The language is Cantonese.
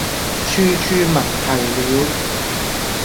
處處聞啼鳥